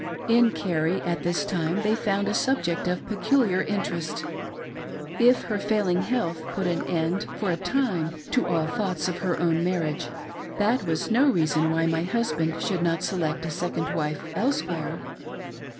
In Carrie, at this time, they found a subject of peculiar interest. If her failing health put an end, for a time, to all thoughts of her own marriage, that was no reason why my husband should not select a second wife elsewhere.